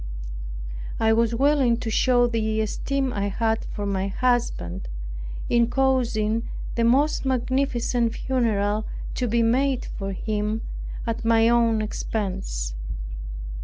I was willing to show the esteem I had for my husband, in causing the most magnificent funeral to be made for him at my own expense.